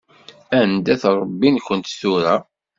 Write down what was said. Anda-t Ṛebbi-nkent tura?